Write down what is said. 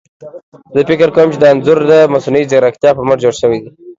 زه فکر کوم چي دا انځور ده مصنوعي ځيرکتيا په مټ جوړ شوي دي.